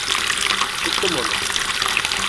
Tuttum onu.